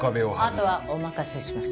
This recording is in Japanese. あとはお任せします。